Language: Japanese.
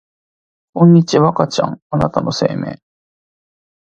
こんにちは赤ちゃんあなたの生命